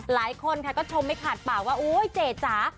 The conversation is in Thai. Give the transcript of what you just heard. หลายคนค่ะก็ชมไม่ขาดปากว่าโอ๊ยเจ๋จ๋า